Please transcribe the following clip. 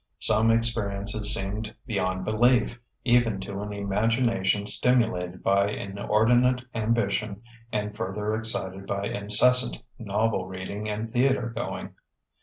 Some experiences seemed beyond belief, even to an imagination stimulated by inordinate ambition and further excited by incessant novel reading and theater going.